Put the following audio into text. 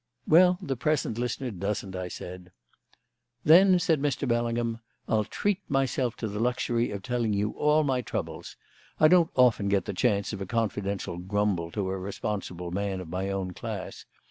"Well, the present listener doesn't," I said. "Then," said Mr. Bellingham, "I'll treat myself to the luxury of telling you all my troubles; I don't often get the chance of a confidential grumble to a responsible man of my own class.